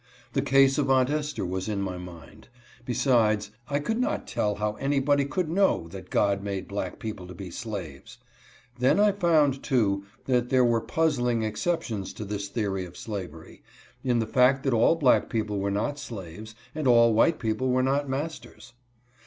The case of Aunt Esther was in my mind. Besides, I could not tell how anybody could know that God made black people to be slaves. Then I found, too, that there were puzzling exceptions to this theory of sla very, in the fact that all black people were not slaves, and all white people were not masters.